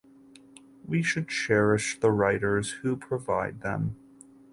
We should cherish the writers who provide them.